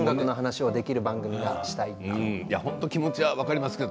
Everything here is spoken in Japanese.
気持ちは分かりますけど。